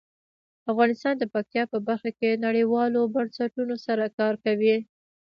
افغانستان د پکتیا په برخه کې نړیوالو بنسټونو سره کار کوي.